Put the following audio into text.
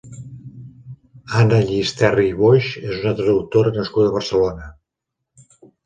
Anna Llisterri i Boix és una traductora nascuda a Barcelona.